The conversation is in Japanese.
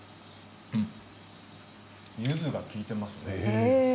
ゆずが利いていますね。